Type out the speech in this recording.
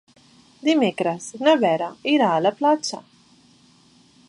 Dimecres na Vera irà a la platja.